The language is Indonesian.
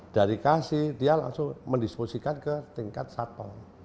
dari kasih dia langsung mendisposikan ke tingkat satu